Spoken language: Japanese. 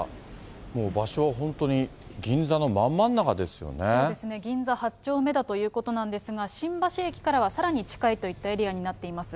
もう場所は本当に銀座のまんまんそうですね、銀座８丁目だということなんですが、新橋駅からはさらに近いといったエリアになっています。